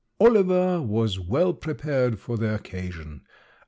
"Oliver was well prepared for the occasion.